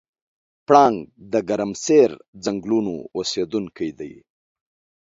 پړانګ د ګرمسیر ځنګلونو اوسېدونکی دی.